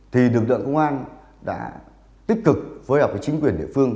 thì đường tượng công an đã tích cực với hợp với chính quyền địa phương